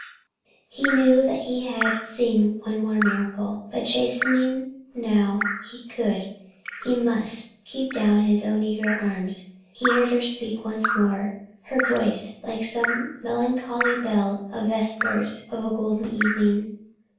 He knew that he had seen one more miracle. But, chastened now, he could, he must, keep down his own eager arms. He heard her speak once more, her voice like some melancholy bell of vespers of a golden evening.